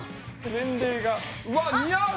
年齢がわっ似合う！